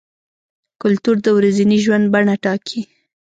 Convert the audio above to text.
کلتور د ورځني ژوند بڼه ټاکي.